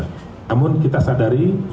namun kita sadari